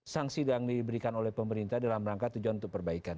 sanksi yang diberikan oleh pemerintah dalam rangka tujuan untuk perbaikan